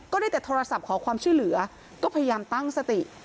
ได้แต่โทรศัพท์ขอความช่วยเหลือก็พยายามตั้งสติ